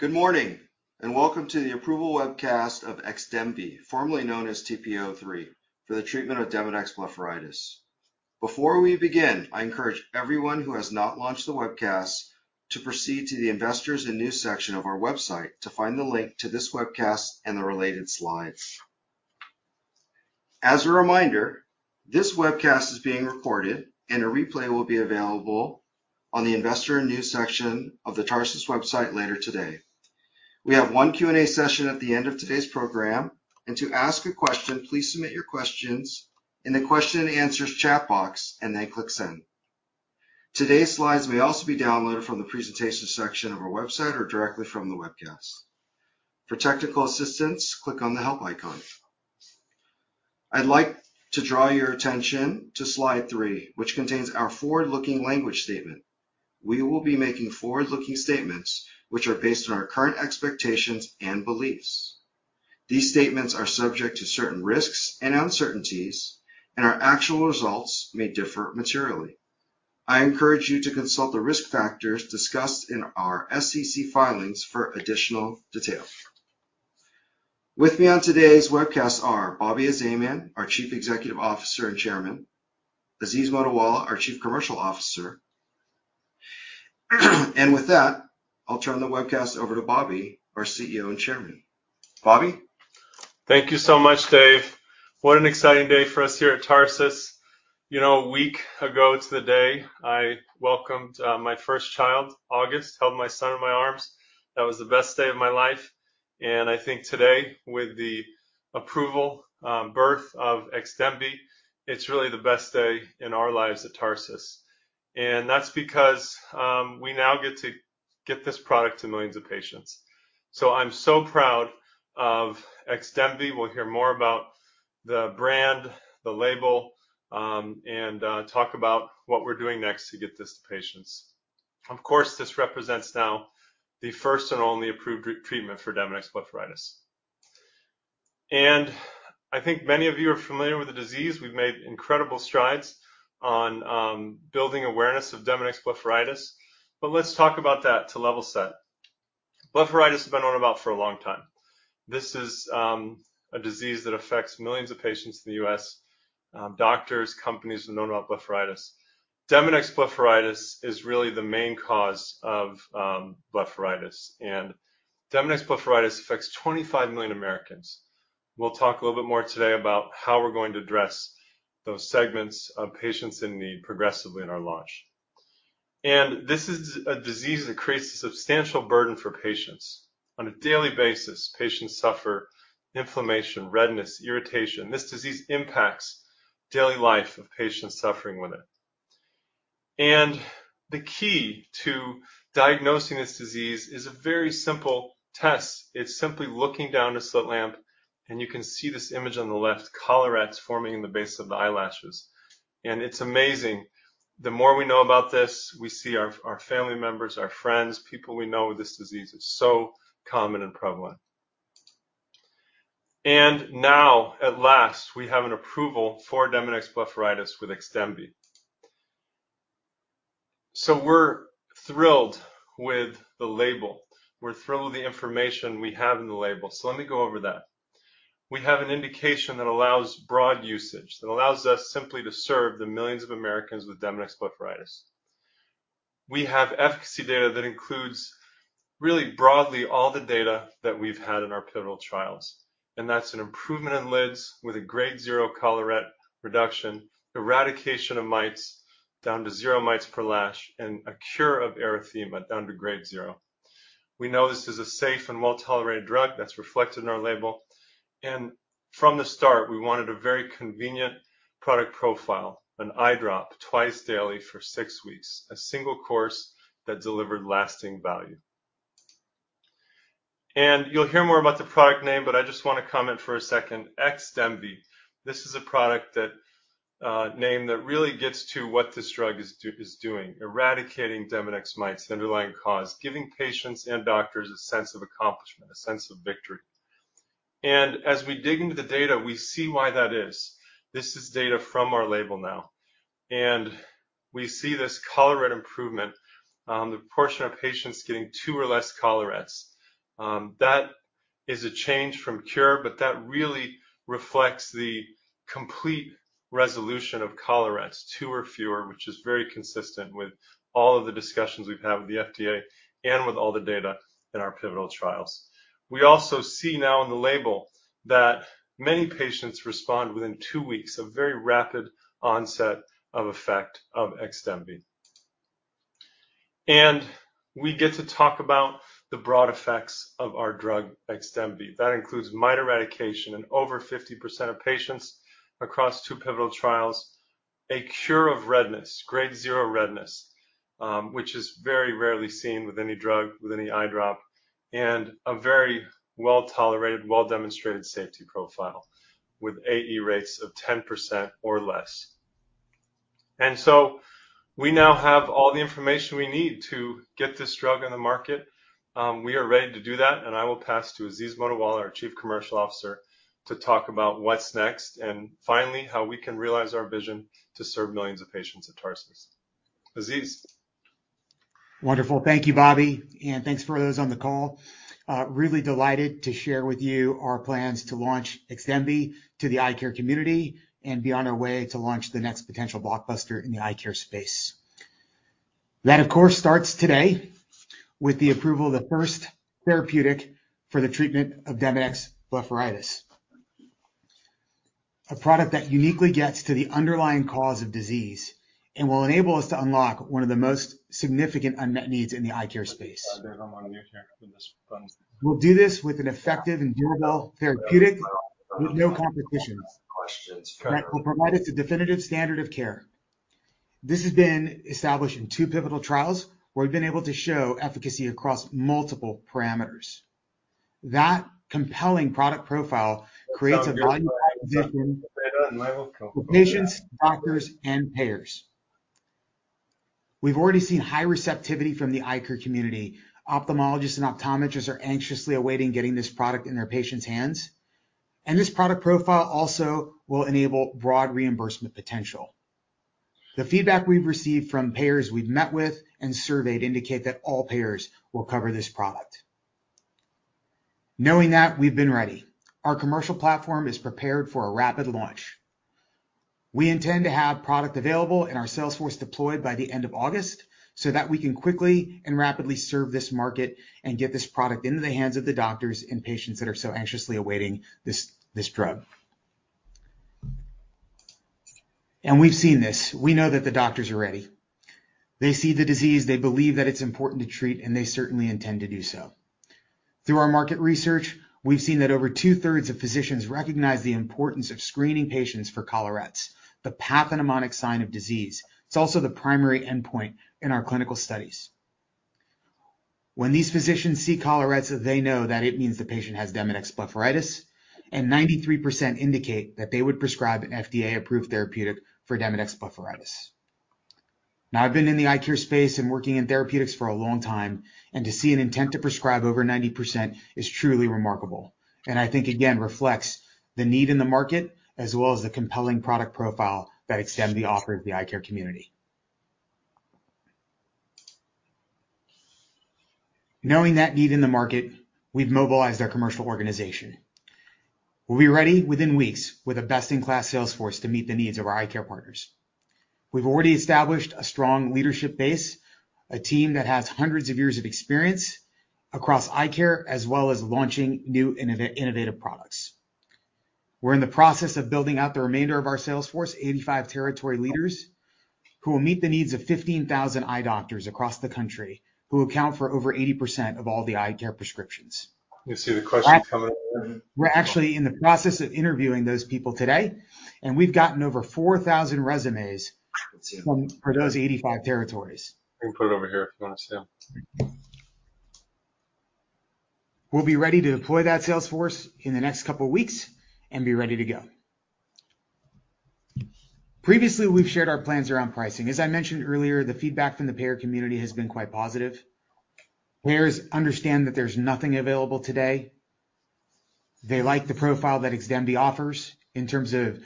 Good morning. Welcome to the approval webcast of XDEMVY, formerly known as TP-03, for the treatment of Demodex blepharitis. Before we begin, I encourage everyone who has not launched the webcast to proceed to the Investors and News section of our website to find the link to this webcast and the related slides. As a reminder, this webcast is being recorded, and a replay will be available on the Investor and News section of the Tarsus website later today. We have one Q&A session at the end of today's program, and to ask a question, please submit your questions in the question and answers chat box, and then click Send. Today's slides may also be downloaded from the presentations section of our website or directly from the webcast. For technical assistance, click on the help icon. I'd like to draw your attention to slide 3, which contains our forward-looking language statement. We will be making forward-looking statements which are based on our current expectations and beliefs. These statements are subject to certain risks and uncertainties. Our actual results may differ materially. I encourage you to consult the risk factors discussed in our SEC filings for additional details. With me on today's webcast are Bobak Azamian, our Chief Executive Officer and Chairman, Aziz Mottiwala, our Chief Commercial Officer. With that, I'll turn the webcast over to Bobby, our CEO and Chairman. Bobby? Thank you so much, Dave. What an exciting day for us here at Tarsus. You know, a week ago to the day, I welcomed my first child, August, held my son in my arms. That was the best day of my life, and I think today, with the approval, birth of XDEMVY, it's really the best day in our lives at Tarsus. That's because we now get to get this product to millions of patients. I'm so proud of XDEMVY. We'll hear more about the brand, the label, and talk about what we're doing next to get this to patients. Of course, this represents now the first and only approved treatment for Demodex blepharitis. I think many of you are familiar with the disease. We've made incredible strides on building awareness of Demodex blepharitis, but let's talk about that to level set. Blepharitis has been known about for a long time. This is a disease that affects millions of patients in the US. Doctors, companies have known about blepharitis. Demodex blepharitis is really the main cause of blepharitis, and Demodex blepharitis affects 25 million Americans. We'll talk a little bit more today about how we're going to address those segments of patients in need progressively in our launch. This is a disease that creates a substantial burden for patients. On a daily basis, patients suffer inflammation, redness, irritation. This disease impacts daily life of patients suffering with it. The key to diagnosing this disease is a very simple test. It's simply looking down a slit lamp, you can see this image on the left, collarettes forming in the base of the eyelashes. It's amazing. The more we know about this, we see our family members, our friends, people we know with this disease. It's so common and prevalent. Now, at last, we have an approval for Demodex blepharitis with XDEMVY. We're thrilled with the label. We're thrilled with the information we have in the label, so let me go over that. We have an indication that allows broad usage, that allows us simply to serve the millions of Americans with Demodex blepharitis. We have efficacy data that includes really broadly all the data that we've had in our pivotal trials. That's an improvement in lids with a grade zero collarette reduction, eradication of mites down to zero mites per lash, and a cure of erythema down to grade zero. We know this is a safe and well-tolerated drug that's reflected in our label. From the start, we wanted a very convenient product profile, an eye drop twice daily for 6 weeks, a single course that delivered lasting value. You'll hear more about the product name, but I just want to comment for a second. XDEMVY. This is a product name that really gets to what this drug is doing, eradicating Demodex mites, the underlying cause, giving patients and doctors a sense of accomplishment, a sense of victory. As we dig into the data, we see why that is. This is data from our label now, we see this collarette improvement, the portion of patients getting two or less collarettes. That is a change from cure, but that really reflects the complete resolution of collarettes, two or fewer, which is very consistent with all of the discussions we've had with the FDA and with all the data in our pivotal trials. We also see now in the label that many patients respond within two weeks, a very rapid onset of effect of XDEMVY. We get to talk about the broad effects of our drug, XDEMVY. That includes mite eradication in over 50% of patients across 2 pivotal trials, a cure of redness, grade zero redness, which is very rarely seen with any drug, with any eye drop, and a very well-tolerated, well-demonstrated safety profile with AE rates of 10% or less. We now have all the information we need to get this drug on the market. We are ready to do that, and I will pass to Aziz Mottiwala, our Chief Commercial Officer, to talk about what's next, and finally, how we can realize our vision to serve millions of patients at Tarsus. Aziz? Wonderful. Thank you, Bobby. Thanks for those on the call. Really delighted to share with you our plans to launch XDEMVY to the eye care community and be on our way to launch the next potential blockbuster in the eye care space. That, of course, starts today with the approval of the first therapeutic for the treatment of Demodex blepharitis. A product that uniquely gets to the underlying cause of disease and will enable us to unlock one of the most significant unmet needs in the eye care space. There's one here for this one. We'll do this with an effective and durable therapeutic, with no competitions. Questions. That will provide us a definitive standard of care. This has been established in two pivotal trials, where we've been able to show efficacy across multiple parameters. That compelling product profile creates a value position- I will come. For patients, doctors, and payers. We've already seen high receptivity from the eye care community. Ophthalmologists and optometrists are anxiously awaiting getting this product in their patients' hands. This product profile also will enable broad reimbursement potential. The feedback we've received from payers we've met with and surveyed indicate that all payers will cover this product. Knowing that, we've been ready. Our commercial platform is prepared for a rapid launch. We intend to have product available and our sales force deployed by the end of August, so that we can quickly and rapidly serve this market and get this product into the hands of the doctors and patients that are so anxiously awaiting this drug. We've seen this. We know that the doctors are ready. They see the disease, they believe that it's important to treat. They certainly intend to do so. Through our market research, we've seen that over two-thirds of physicians recognize the importance of screening patients for collarettes, the pathognomonic sign of disease. It's also the primary endpoint in our clinical studies. When these physicians see collarettes, they know that it means the patient has Demodex blepharitis, and 93% indicate that they would prescribe an FDA-approved therapeutic for Demodex blepharitis. Now, I've been in the eye care space and working in therapeutics for a long time, and to see an intent to prescribe over 90% is truly remarkable, and I think, again, reflects the need in the market, as well as the compelling product profile that XDEMVY offer the eye care community. Knowing that need in the market, we've mobilized our commercial organization. We'll be ready within weeks with a best-in-class sales force to meet the needs of our eye care partners. We've already established a strong leadership base, a team that has hundreds of years of experience across eye care, as well as launching new innovative products. We're in the process of building out the remainder of our sales force, 85 territory leaders, who will meet the needs of 15,000 eye doctors across the country, who account for over 80% of all the eye care prescriptions. You see the question coming in? We're actually in the process of interviewing those people today, and we've gotten over 4,000 resumes. Let's see. -from, for those 85 territories. You can put it over here if you want to see them. We'll be ready to deploy that sales force in the next couple of weeks and be ready to go. Previously, we've shared our plans around pricing. As I mentioned earlier, the feedback from the payer community has been quite positive. Payers understand that there's nothing available today. They like the profile that XDEMVY offers in terms of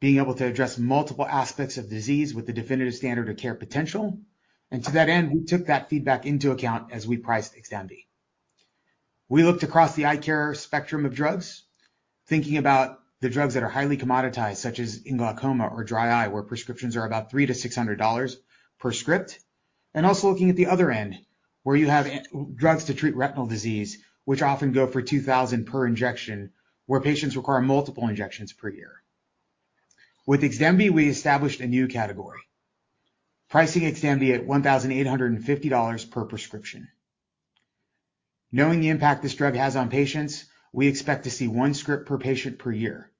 being able to address multiple aspects of disease with the definitive standard of care potential. To that end, we took that feedback into account as we priced XDEMVY. We looked across the eye care spectrum of drugs, thinking about the drugs that are highly commoditized, such as in glaucoma or dry eye, where prescriptions are about $300-$600 per script. Also looking at the other end, where you have drugs to treat retinal disease, which often go for $2,000 per injection, where patients require multiple injections per year. With XDEMVY, we established a new category, pricing XDEMVY at $1,850 per prescription. Knowing the impact this drug has on patients, we expect to see one script per patient per year,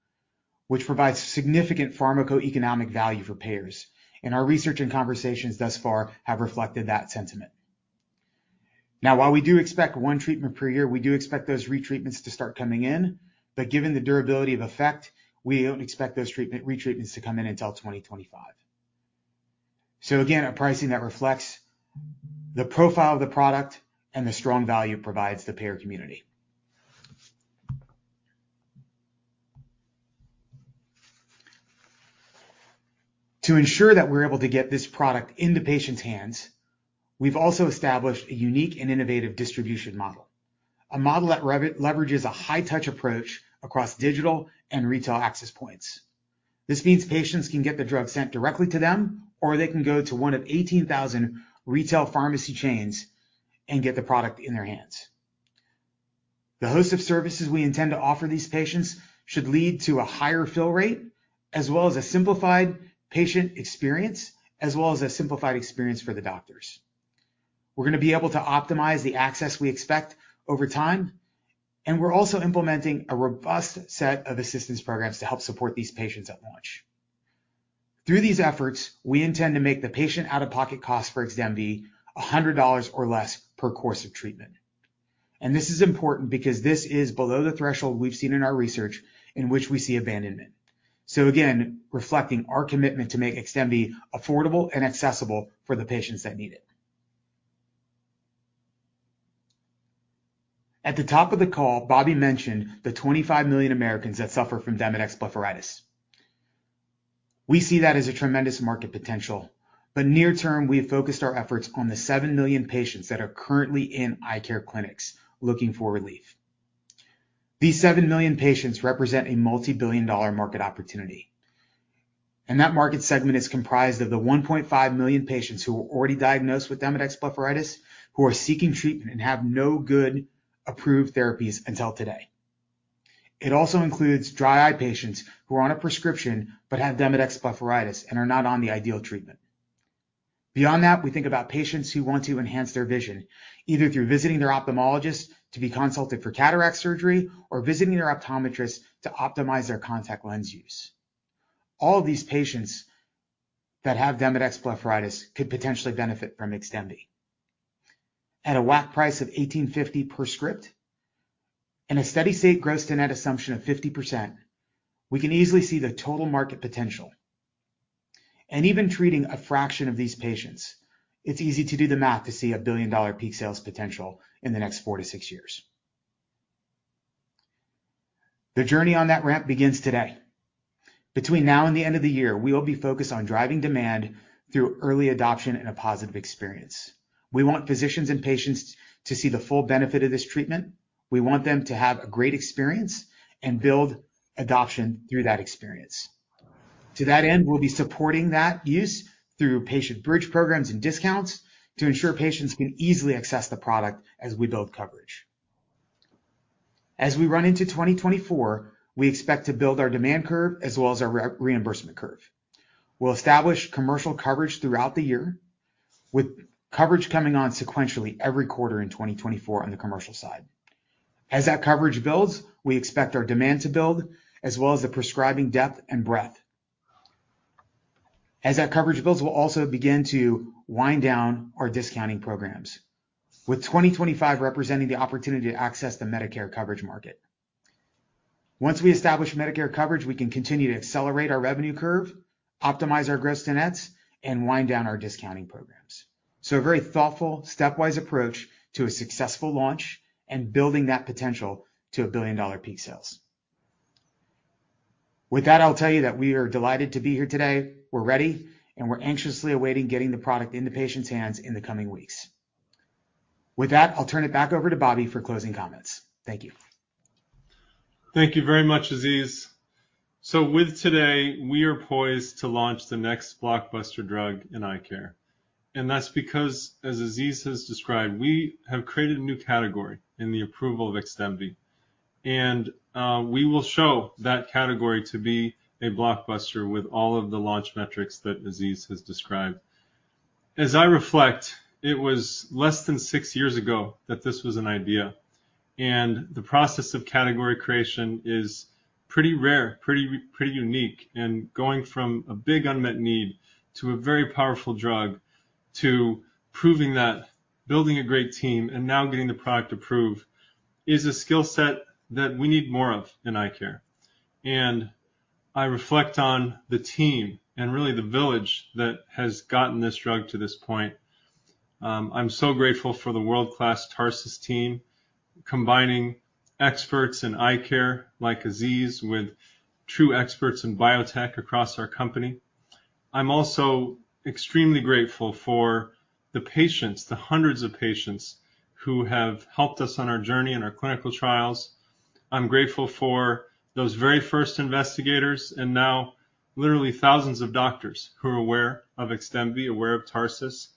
which provides significant pharmacoeconomic value for payers, and our research and conversations thus far have reflected that sentiment. While we do expect one treatment per year, we do expect those retreatments to start coming in, but given the durability of effect, we don't expect those retreatments to come in until 2025. Again, a pricing that reflects the profile of the product and the strong value it provides the payer community. To ensure that we're able to get this product in the patient's hands, we've also established a unique and innovative distribution model. A model that leverages a high-touch approach across digital and retail access points. This means patients can get the drug sent directly to them, or they can go to one of 18,000 retail pharmacy chains and get the product in their hands. The host of services we intend to offer these patients should lead to a higher fill rate, as well as a simplified patient experience, as well as a simplified experience for the doctors. We're going to be able to optimize the access we expect over time, and we're also implementing a robust set of assistance programs to help support these patients at launch. Through these efforts, we intend to make the patient out-of-pocket cost for XDEMVY $100 or less per course of treatment. This is important because this is below the threshold we've seen in our research in which we see abandonment. Again, reflecting our commitment to make XDEMVY affordable and accessible for the patients that need it. At the top of the call, Bobby mentioned the 25 million Americans that suffer from Demodex blepharitis. We see that as a tremendous market potential. Near term, we've focused our efforts on the 7 million patients that are currently in eye care clinics looking for relief. These 7 million patients represent a multi-billion dollar market opportunity. That market segment is comprised of the 1.5 million patients who are already diagnosed with Demodex blepharitis, who are seeking treatment and have no good approved therapies until today. It also includes dry eye patients who are on a prescription but have Demodex blepharitis and are not on the ideal treatment. Beyond that, we think about patients who want to enhance their vision, either through visiting their ophthalmologist to be consulted for cataract surgery or visiting their optometrist to optimize their contact lens use. All of these patients that have Demodex blepharitis could potentially benefit from XDEMVY. At a WAC price of $1,850 per script and a steady-state gross-to-net assumption of 50%, we can easily see the total market potential. Even treating a fraction of these patients, it's easy to do the math to see a billion-dollar peak sales potential in the next four to six years. The journey on that ramp begins today. Between now and the end of the year, we will be focused on driving demand through early adoption and a positive experience. We want physicians and patients to see the full benefit of this treatment. We want them to have a great experience and build adoption through that experience. To that end, we'll be supporting that use through patient bridge programs and discounts to ensure patients can easily access the product as we build coverage. As we run into 2024, we expect to build our demand curve as well as our reimbursement curve. We'll establish commercial coverage throughout the year, with coverage coming on sequentially every quarter in 2024 on the commercial side. As that coverage builds, we expect our demand to build, as well as the prescribing depth and breadth. As that coverage builds, we'll also begin to wind down our discounting programs, with 2025 representing the opportunity to access the Medicare coverage market. Once we establish Medicare coverage, we can continue to accelerate our revenue curve, optimize our gross to nets, and wind down our discounting programs. A very thoughtful, stepwise approach to a successful launch and building that potential to a billion-dollar peak sales. With that, I'll tell you that we are delighted to be here today. We're ready, and we're anxiously awaiting getting the product into patients' hands in the coming weeks. With that, I'll turn it back over to Bobby for closing comments. Thank you. Thank you very much, Aziz. With today, we are poised to launch the next blockbuster drug in eye care. That's because, as Aziz has described, we have created a new category in the approval of XDEMVY, and we will show that category to be a blockbuster with all of the launch metrics that Aziz has described. As I reflect, it was less than 6 years ago that this was an idea, the process of category creation is pretty rare, pretty unique, going from a big unmet need to a very powerful drug, to proving that building a great team and now getting the product approved is a skill set that we need more of in eye care. I reflect on the team and really the village that has gotten this drug to this point. I'm so grateful for the world-class Tarsus team, combining experts in eye care like Aziz, with true experts in biotech across our company. I'm also extremely grateful for the patients, the hundreds of patients who have helped us on our journey in our clinical trials. I'm grateful for those very first investigators and now literally thousands of doctors who are aware of XDEMVY, aware of Tarsus.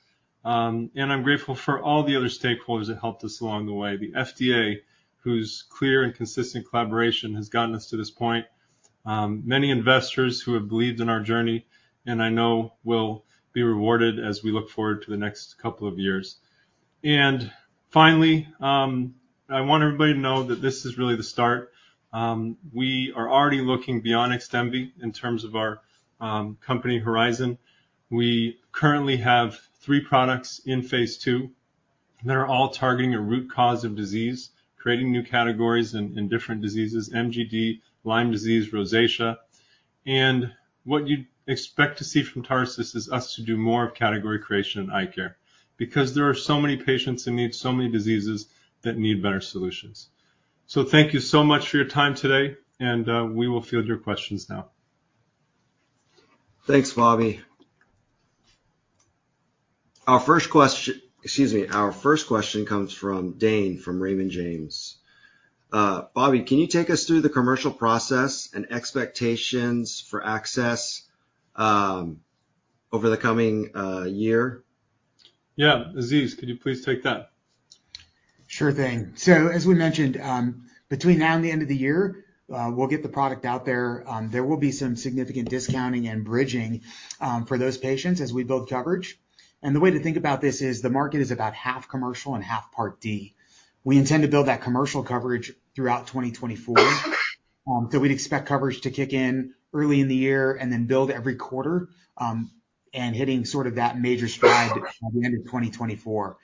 I'm grateful for all the other stakeholders that helped us along the way, the FDA, whose clear and consistent collaboration has gotten us to this point. Many investors who have believed in our journey, I know will be rewarded as we look forward to the next couple of years. Finally, I want everybody to know that this is really the start. We are already looking beyond XDEMVY in terms of our company horizon. We currently have three products in Phase 2, and they're all targeting a root cause of disease, creating new categories in different diseases, MGD, Lyme disease, rosacea. What you'd expect to see from Tarsus is us to do more of category creation in eye care, because there are so many patients in need, so many diseases that need better solutions. Thank you so much for your time today, and we will field your questions now. Thanks, Bobby. Our first question comes from Dane, from Raymond James. Bobby, can you take us through the commercial process and expectations for access over the coming year? Yeah. Aziz, could you please take that? Sure thing. As we mentioned, between now and the end of the year, we'll get the product out there. There will be some significant discounting and bridging for those patients as we build coverage. The way to think about this is the market is about half commercial and half Part D. We intend to build that commercial coverage throughout 2024. We'd expect coverage to kick in early in the year and then build every quarter, and hitting sort of that major stride at the end of 2024.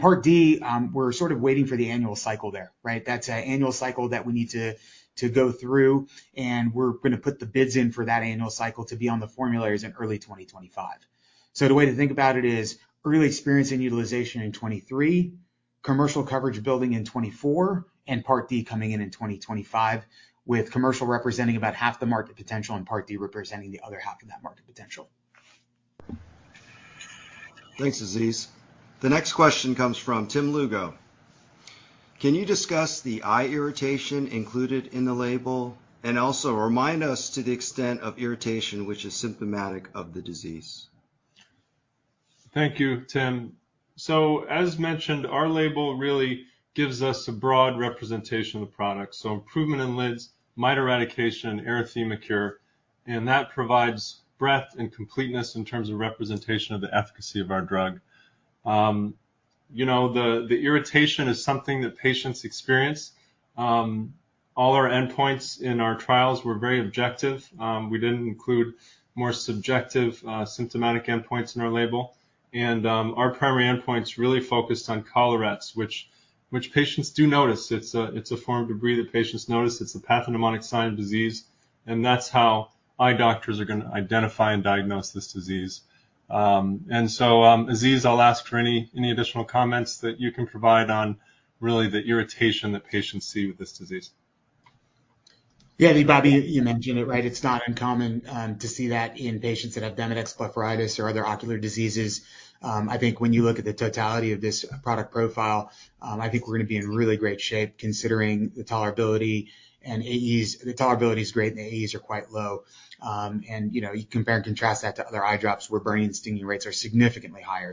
Part D, we're sort of waiting for the annual cycle there, right? That's an annual cycle that we need to go through, and we're going to put the bids in for that annual cycle to be on the formularies in early 2025.... The way to think about it is early experience and utilization in 2023, commercial coverage building in 2024, and Part D coming in in 2025, with commercial representing about half the market potential and Part D representing the other half in that market potential. Thanks, Aziz. The next question comes from Tim Lugo. Can you discuss the eye irritation included in the label, and also remind us to the extent of irritation which is symptomatic of the disease? Thank you, Tim. As mentioned, our label really gives us a broad representation of the product. Improvement in lids, mite eradication, erythema cure, and that provides breadth and completeness in terms of representation of the efficacy of our drug. You know, the irritation is something that patients experience. All our endpoints in our trials were very objective. We didn't include more subjective, symptomatic endpoints in our label. Our primary endpoints really focused on collarettes, which patients do notice. It's a form of debris that patients notice. It's a pathognomonic sign of disease, and that's how eye doctors are going to identify and diagnose this disease. Aziz, I'll ask for any additional comments that you can provide on really the irritation that patients see with this disease. Yeah, I think, Bobby, you mentioned it, right? It's not uncommon to see that in patients that have Demodex blepharitis or other ocular diseases. I think when you look at the totality of this product profile, I think we're going to be in really great shape considering the tolerability and AEs. The tolerability is great, and the AEs are quite low. And, you know, you compare and contrast that to other eye drops where burning and stinging rates are significantly higher.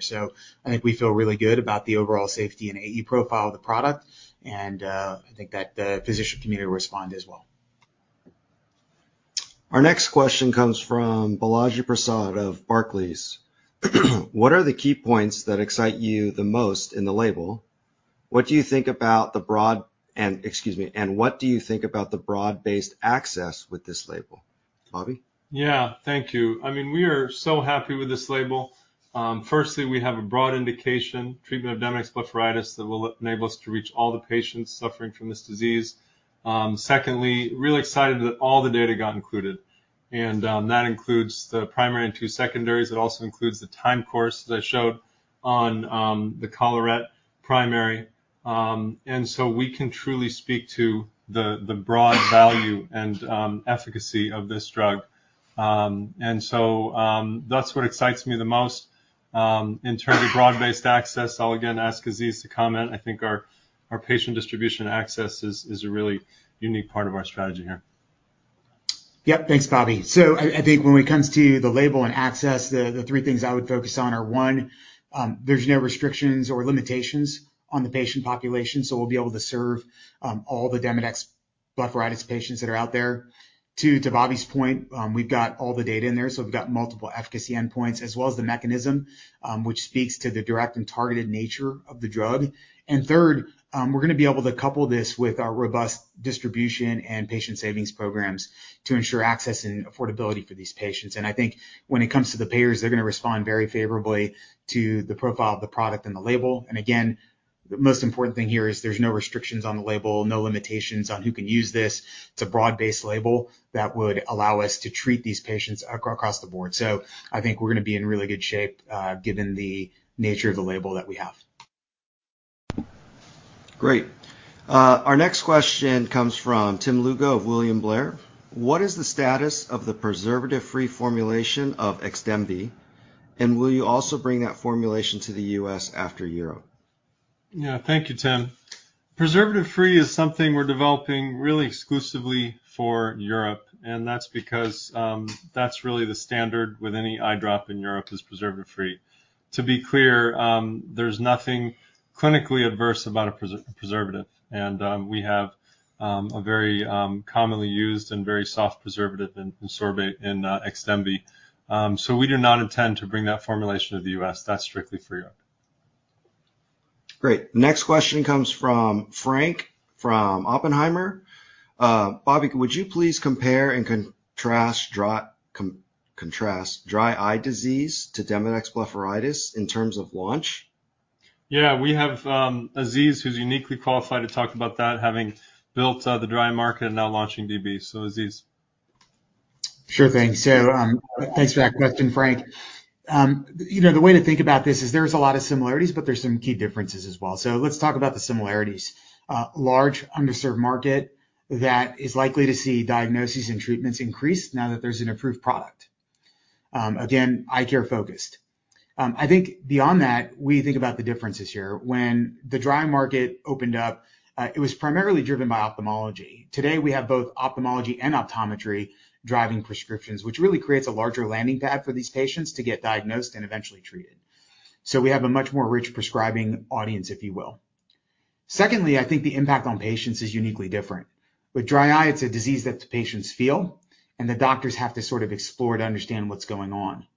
I think we feel really good about the overall safety and AE profile of the product, and I think that the physician community will respond as well. Our next question comes from Balaji Prasad of Barclays. What are the key points that excite you the most in the label? What do you think about the broad-based access with this label? Bobby? Yeah, thank you. I mean, we are so happy with this label. Firstly, we have a broad indication, treatment of Demodex blepharitis, that will enable us to reach all the patients suffering from this disease. Secondly, really excited that all the data got included, and that includes the primary and two secondaries. It also includes the time course that I showed on the collarette primary. We can truly speak to the broad value and efficacy of this drug. That's what excites me the most. In terms of broad-based access, I'll again ask Aziz to comment. I think our patient distribution access is a really unique part of our strategy here. Yep. Thanks, Bobby. I think when it comes to the label and access, the three things I would focus on are, 1, there's no restrictions or limitations on the patient population, so we'll be able to serve all the Demodex blepharitis patients that are out there. 2, to Bobby's point, we've got all the data in there, so we've got multiple efficacy endpoints, as well as the mechanism, which speaks to the direct and targeted nature of the drug. 3, we're going to be able to couple this with our robust distribution and patient savings programs to ensure access and affordability for these patients. I think when it comes to the payers, they're going to respond very favorably to the profile of the product and the label. Again, the most important thing here is there's no restrictions on the label, no limitations on who can use this. It's a broad-based label that would allow us to treat these patients across the board. I think we're going to be in really good shape, given the nature of the label that we have. Great. Our next question comes from Tim Lugo of William Blair. What is the status of the preservative-free formulation of XDEMVY, and will you also bring that formulation to the US after Europe? Thank you, Tim. Preservative-free is something we're developing really exclusively for Europe, and that's because that's really the standard with any eye drop in Europe, is preservative-free. To be clear, there's nothing clinically adverse about a preservative, and we have a very commonly used and very soft preservative in sorbate, in XDEMVY. We do not intend to bring that formulation to the U.S. That's strictly for Europe. Great. Next question comes from Hartaj, from Oppenheimer. Bobby, would you please compare and contrast dry eye disease to Demodex blepharitis in terms of launch? Yeah, we have, Aziz, who's uniquely qualified to talk about that, having built, the dry eye market and now launching DB. So, Aziz. Sure thing. Thanks for that question, Frank. You know, the way to think about this is there's a lot of similarities, but there's some key differences as well. Let's talk about the similarities. Large, underserved market that is likely to see diagnoses and treatments increase now that there's an approved product. Again, eye care focused. I think beyond that, we think about the differences here. When the dry market opened up, it was primarily driven by ophthalmology. Today, we have both ophthalmology and optometry driving prescriptions, which really creates a larger landing pad for these patients to get diagnosed and eventually treated. We have a much more rich prescribing audience, if you will. Secondly, I think the impact on patients is uniquely different. With dry eye, it's a disease that the patients feel, and the doctors have to sort of explore to understand what's going on.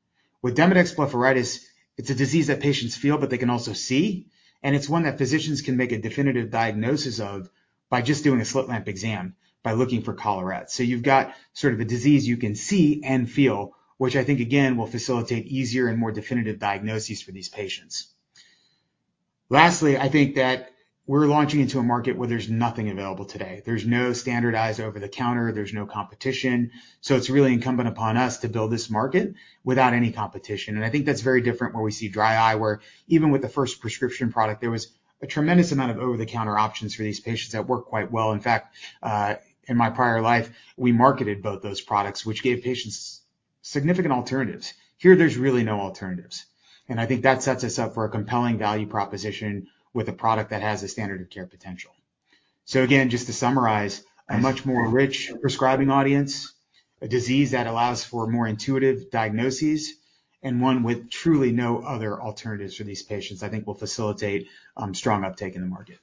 With Demodex blepharitis, it's a disease that patients feel, but they can also see, and it's one that physicians can make a definitive diagnosis of by just doing a slit lamp exam, by looking for collarettes. You've got sort of a disease you can see and feel, which I think, again, will facilitate easier and more definitive diagnoses for these patients... lastly, I think that we're launching into a market where there's nothing available today. There's no standardized over-the-counter, there's no competition, so it's really incumbent upon us to build this market without any competition. I think that's very different where we see dry eye, where even with the first prescription product, there was a tremendous amount of over-the-counter options for these patients that worked quite well. In fact, in my prior life, we marketed both those products, which gave patients significant alternatives. Here, there's really no alternatives, and I think that sets us up for a compelling value proposition with a product that has a standard of care potential. Again, just to summarize, a much more rich prescribing audience, a disease that allows for more intuitive diagnoses, and one with truly no other alternatives for these patients, I think will facilitate strong uptake in the market.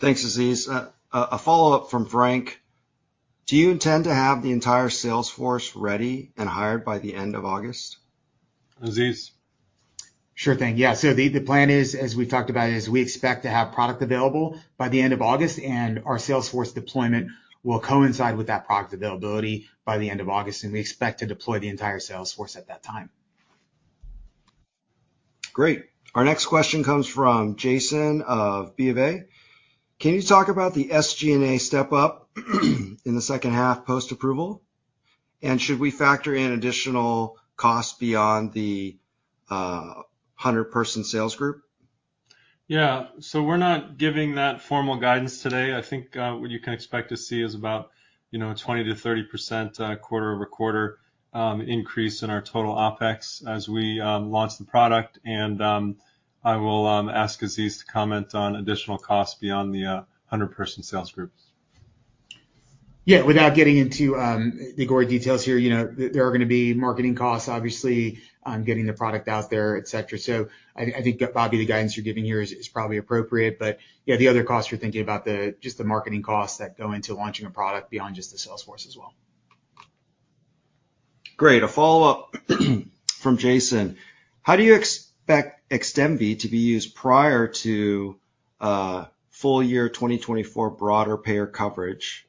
Thanks, Aziz. A follow-up from Frank: Do you intend to have the entire sales force ready and hired by the end of August? Aziz? Sure thing. The plan is, as we've talked about, is we expect to have product available by the end of August. Our sales force deployment will coincide with that product availability by the end of August. We expect to deploy the entire sales force at that time. Great. Our next question comes from Jason of B of A. Can you talk about the SG&A step-up in the second half post-approval? Should we factor in additional costs beyond the 100-person sales group? Yeah. We're not giving that formal guidance today. I think, what you can expect to see is about 20%-30% quarter-over-quarter increase in our total OpEx as we launch the product. I will ask Aziz to comment on additional costs beyond the 100-person sales group. Yeah, without getting into the gory details here, you know, there are gonna be marketing costs, obviously, on getting the product out there, et cetera. I think, Bobby, the guidance you're giving here is probably appropriate, but, yeah, the other costs you're thinking about just the marketing costs that go into launching a product beyond just the sales force as well. Great. A follow-up, from Jason: How do you expect XDEMVY to be used prior to full year 2024 broader payer coverage?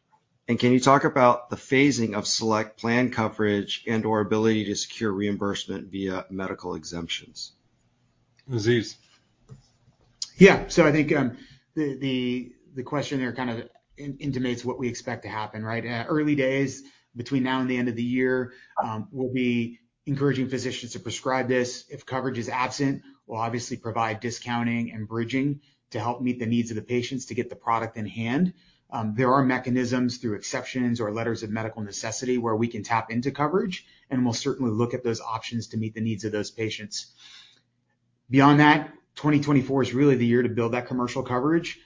Can you talk about the phasing of select plan coverage and/or ability to secure reimbursement via medical exemptions? Aziz? I think the question there kind of intimates what we expect to happen, right? Early days, between now and the end of the year, we'll be encouraging physicians to prescribe this. If coverage is absent, we'll obviously provide discounting and bridging to help meet the needs of the patients to get the product in hand. There are mechanisms through exceptions or letters of medical necessity, where we can tap into coverage, and we'll certainly look at those options to meet the needs of those patients. Beyond that, 2024 is really the year to build that commercial coverage.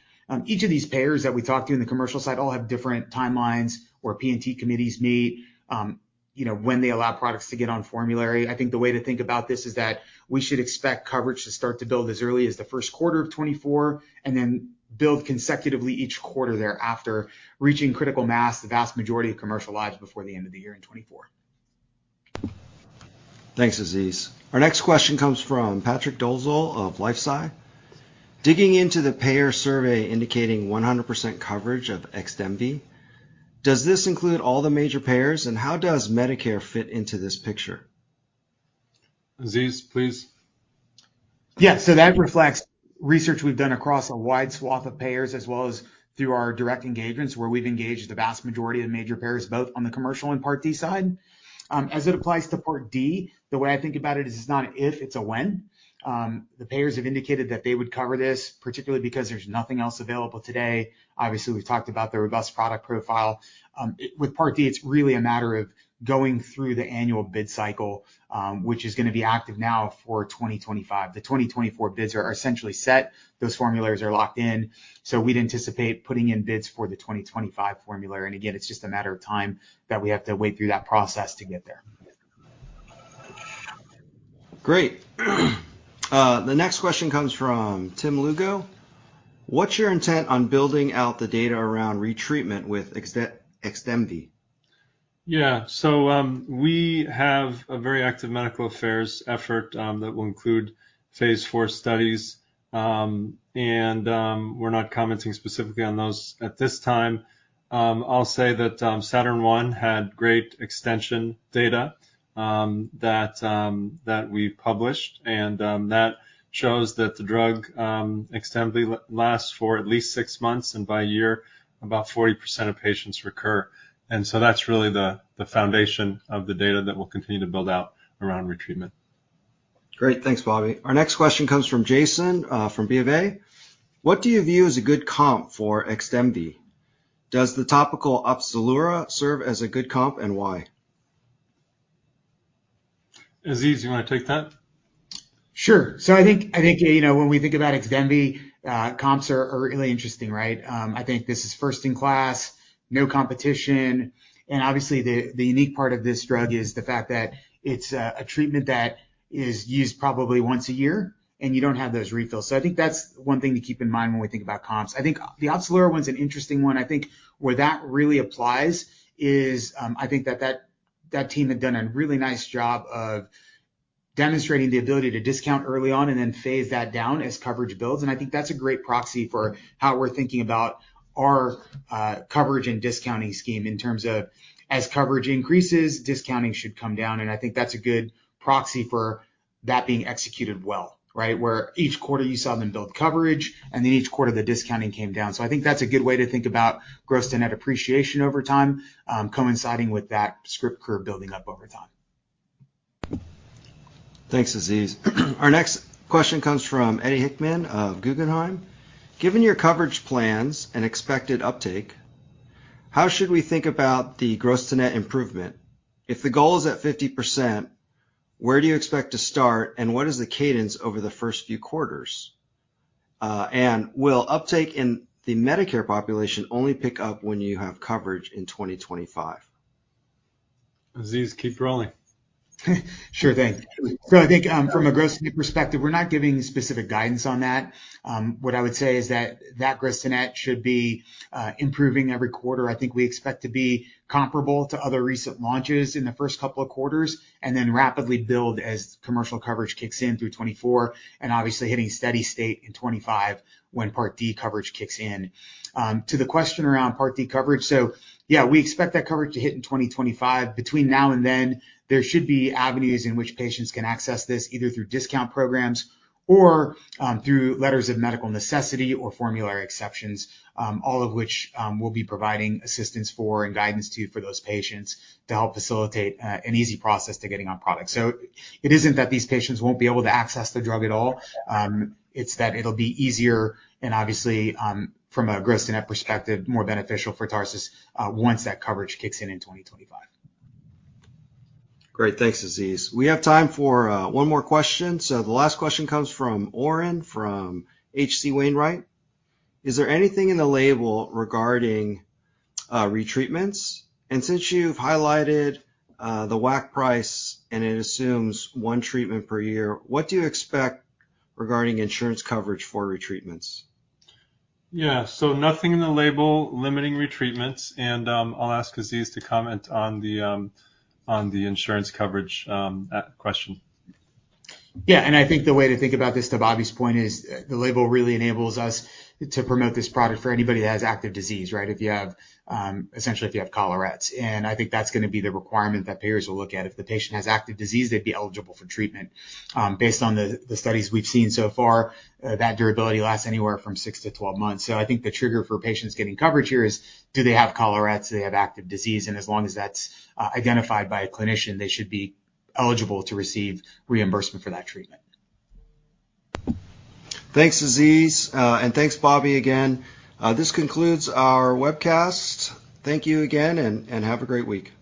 Each of these payers that we talk to in the commercial side all have different timelines, where P&T committees meet, you know, when they allow products to get on formulary. I think the way to think about this is that we should expect coverage to start to build as early as the first quarter of 2024, and then build consecutively each quarter thereafter, reaching critical mass, the vast majority of commercial lives before the end of the year in 2024. Thanks, Aziz. Our next question comes from Patrick Dolezal of LifeSci. Digging into the payer survey indicating 100% coverage of XDEMVY, does this include all the major payers, and how does Medicare fit into this picture? Aziz, please. Yeah, so that reflects research we've done across a wide swath of payers, as well as through our direct engagements, where we've engaged the vast majority of major payers, both on the commercial and Part D side. As it applies to Part D, the way I think about it is it's not a if, it's a when. The payers have indicated that they would cover this, particularly because there's nothing else available today. Obviously, we've talked about the robust product profile. With Part D, it's really a matter of going through the annual bid cycle, which is going to be active now for 2025. The 2024 bids are essentially set. Those formularies are locked in, so we'd anticipate putting in bids for the 2025 formulary. Again, it's just a matter of time that we have to wait through that process to get there. Great. The next question comes from Tim Lugo: What's your intent on building out the data around retreatment with XDEMVY? Yeah. We have a very active medical affairs effort, that will include phase IV studies. We're not commenting specifically on those at this time. I'll say that, Saturn-1 had great extension data, that we published, and, that shows that the drug, XDEMVY lasts for at least 6 months, and by a year, about 40% of patients recur. That's really the foundation of the data that we'll continue to build out around retreatment. Great. Thanks, Bobby. Our next question comes from Jason, from B of A. What do you view as a good comp for XDEMVY? Does the topical Opzelura serve as a good comp, and why? Aziz, you want to take that? I think, you know, when we think about XDEMVY, comps are really interesting, right? I think this is first in class, no competition, and obviously the unique part of this drug is the fact that it's a treatment that is used probably once a year, and you don't have those refills. I think that's one thing to keep in mind when we think about comps. I think the Opzelura one's an interesting one. I think where that really applies is, I think that team had done a really nice job of demonstrating the ability to discount early on and then phase that down as coverage builds. I think that's a great proxy for how we're thinking about our coverage and discounting scheme in terms of as coverage increases, discounting should come down. I think that's a good proxy for that being executed well, right? Where each quarter you saw them build coverage, then each quarter the discounting came down. I think that's a good way to think about gross-to-net appreciation over time, coinciding with that script curve building up over time. Thanks, Aziz. Our next question comes from Eddie Hickman of Guggenheim. Given your coverage plans and expected uptake, how should we think about the gross-to-net improvement? If the goal is at 50%, where do you expect to start, and what is the cadence over the first few quarters? Will uptake in the Medicare population only pick up when you have coverage in 2025? Aziz, keep rolling. Sure thing. I think, from a gross perspective, we're not giving specific guidance on that. What I would say is that gross-to-net should be improving every quarter. I think we expect to be comparable to other recent launches in the first couple of quarters, and then rapidly build as commercial coverage kicks in through 2024, and obviously hitting steady state in 2025 when Part D coverage kicks in. To the question around Part D coverage, yeah, we expect that coverage to hit in 2025. Between now and then, there should be avenues in which patients can access this, either through discount programs or, through letters of medical necessity or formulary exceptions, all of which, we'll be providing assistance for and guidance to for those patients to help facilitate, an easy process to getting on product. It isn't that these patients won't be able to access the drug at all, it's that it'll be easier and obviously, from a gross-to-net perspective, more beneficial for Tarsus, once that coverage kicks in in 2025. Great. Thanks, Aziz. We have time for one more question. The last question comes from Oren, from H.C. Wainwright. Is there anything in the label regarding retreatments? Since you've highlighted the WAC price, and it assumes one treatment per year, what do you expect regarding insurance coverage for retreatments? Yeah. Nothing in the label limiting retreatments. I'll ask Aziz to comment on the insurance coverage question. Yeah, I think the way to think about this, to Bobby's point, is the label really enables us to promote this product for anybody that has active disease, right? If you have, essentially, if you have collarettes. I think that's gonna be the requirement that payers will look at. If the patient has active disease, they'd be eligible for treatment. Based on the studies we've seen so far, that durability lasts anywhere from 6 to 12 months. I think the trigger for patients getting coverage here is, do they have collarettes? Do they have active disease? As long as that's identified by a clinician, they should be eligible to receive reimbursement for that treatment. Thanks, Aziz. Thanks, Bobby, again. This concludes our webcast. Thank you again, and have a great week.